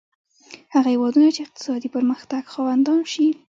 هغه هېوادونه چې اقتصادي پرمختګ خاوندان شي.